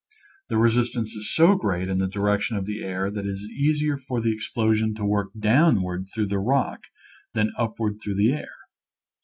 The resistance is so great in the direction of the air that it is easier for the explosion to work downward through the rock than up ward through the air.